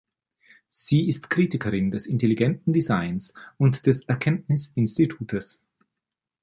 Sie ist Kritikerin des intelligenten Designs und des Erkenntnis-Insitutes.